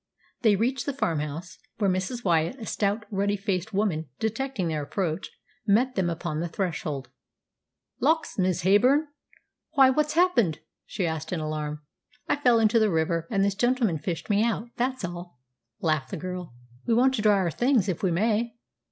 They reached the farmhouse, where Mrs. Wyatt, a stout, ruddy faced woman, detecting their approach, met them upon the threshold. "Lawks, Miss Heyburn! why, what's happened?" she asked in alarm. "I fell into the river, and this gentleman fished me out. That's all," laughed the girl. "We want to dry our things, if we may."